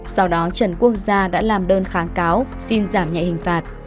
sau đó trần quốc gia đã làm đơn kháng cáo xin giảm nhẹ hình phạt